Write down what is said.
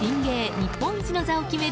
日本一の座を決める